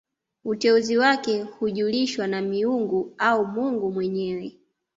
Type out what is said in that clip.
Uteuzi wake hujulishwa na miungu au mungu mwenyewe